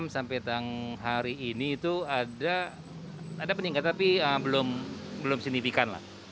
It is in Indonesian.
enam sampai tanggal hari ini itu ada peningkat tapi belum signifikan lah